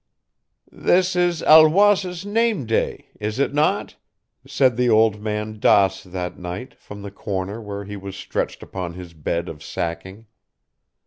"This is Alois's name day, is it not?" said the old man Daas that night from the corner where he was stretched upon his bed of sacking.